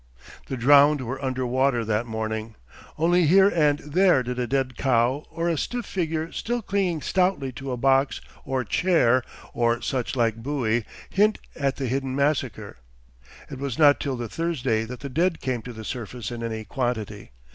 The drowned were under water that morning. Only here and there did a dead cow or a stiff figure still clinging stoutly to a box or chair or such like buoy hint at the hidden massacre. It was not till the Thursday that the dead came to the surface in any quantity.